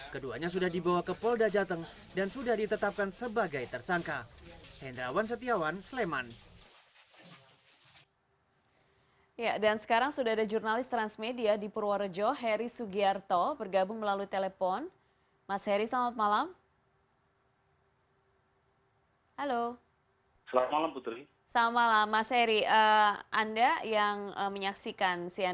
keduanya sudah dibawa ke polda jateng dan sudah ditetapkan sebagai tersangka